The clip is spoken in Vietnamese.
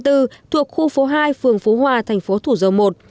thuộc khu phố hai phường phú hòa thành phố thủ dầu một